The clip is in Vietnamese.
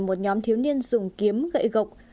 một nhóm thiếu niên dùng kiếm gậy gọc